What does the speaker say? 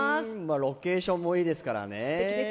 ロケーションもいいですからね。